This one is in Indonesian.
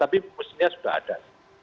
tapi mesinnya sudah ada